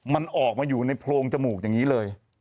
มันออกมาอยู่ในโพรงจมูกอย่างนี้เลย